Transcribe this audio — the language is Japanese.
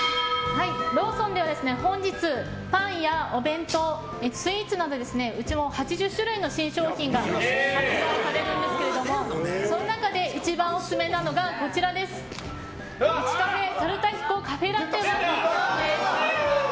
ローソンでは本日パンやお弁当、スイーツなどうちも８０種類の新商品が発売されますがその中で一番おすすめなのがウチカフェ×猿田彦珈琲カフェラテワッフルコーンです。